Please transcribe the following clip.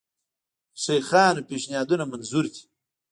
د شیخانانو پېشنهادونه منظور دي.